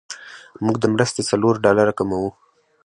موږ د مرستې څلور ډالره کموو.